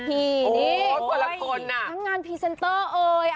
ทั้งงานพรีเซนเตอร์เอ่ย